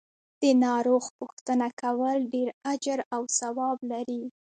د ناروغ پو ښتنه کول ډیر اجر او ثواب لری .